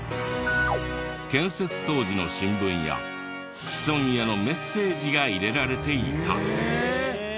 建設当時の新聞や子孫へのメッセージが入れられていた。